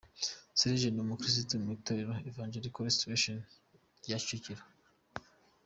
Serge ni umukristo mu itorero Evangelical Restoration rya Kicukiro.